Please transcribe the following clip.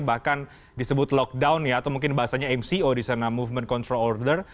bahkan disebut lockdown ya atau mungkin bahasanya mco di sana movement control order